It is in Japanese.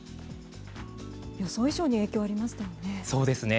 予想以上に影響がありましたよね。